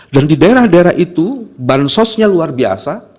dan di daerah daerah itu bansosnya luar biasa